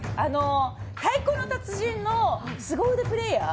「太鼓の達人」のスゴ腕プレイヤー。